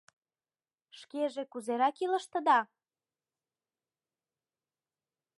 — Шкеже кузерак илыштыда?